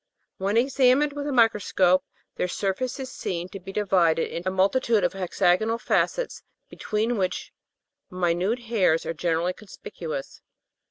When examined with a microscope, their surface is seen to be divided into a multitude of hexagonal facets, between which minute hairs are generally conspicuous.